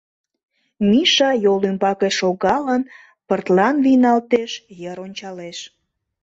Миша, йол ӱмбаке шогалын, пыртлан вийналтеш, йыр ончалеш.